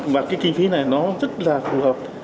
và cái kinh phí này nó rất là phù hợp